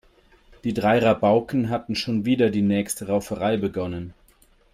Die drei Rabauken hatten schon wieder die nächste Rauferei begonnen.